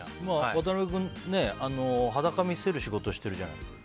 渡辺君裸見せる仕事してるじゃない。